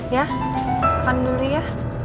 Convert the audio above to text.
ya makan dulu ya